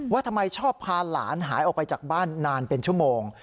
ว่าทำไมชอบพาหลานหายออกไปจากบ้านนานเป็นชั่วโมง